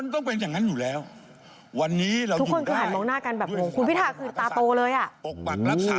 ทุกคนก็หันมองหน้ากันแบบโหม้คุณพิุร์ธคือตาโตเลยอ่ะ